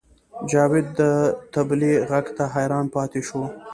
جاوید د طبلې غږ ته حیران پاتې شو